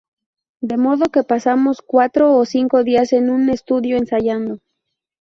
De modo que pasamos cuatro o cinco días en un estudio ensayando.